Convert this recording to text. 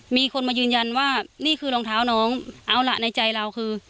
มีคนมายืนยันว่านี่คือรองเท้าน้องเอาล่ะในใจเราคือ